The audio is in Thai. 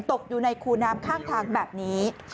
ตกอยู่ในคูน้ำข้างทางแบบนี้